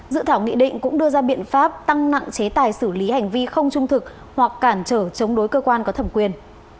dự thảo nghị định cũng đưa ra biện pháp tăng nặng chế tài xử lý hành vi không trung thực hoặc cản trở chống đối cơ quan có thẩm quyền